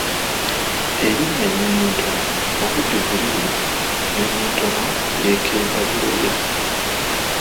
Erinnya Nnyonyintono mu bujjuvu liri Nnyonyintono yeekemba byoya.